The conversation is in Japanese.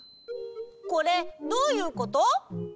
これどういうこと？